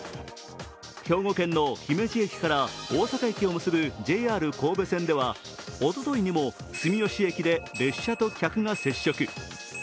兵庫県の姫路駅から大阪駅を結ぶＪＲ神戸線ではおとといにも、住吉駅で列車と客が接触。